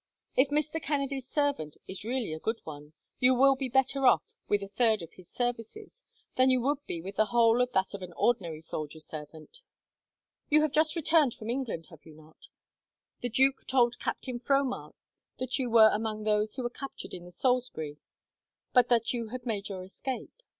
If Mr. Kennedy's servant is really a good one, you will be better off, with a third of his services, than you would be with the whole of that of an ordinary soldier servant. "You have just returned from England, have you not? The duke told Captain Fromart that you were among those who were captured in the Salisbury, but that you had made your escape.